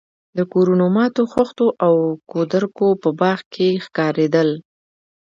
د کورونو ماتو خښتو او کودرکو په باغ کې ښکارېدل.